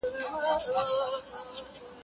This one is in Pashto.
ایا دا به دوامداره بری ولري؟